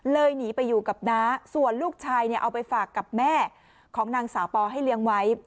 หนีไปอยู่กับน้าส่วนลูกชายเนี่ยเอาไปฝากกับแม่ของนางสาวปอให้เลี้ยงไว้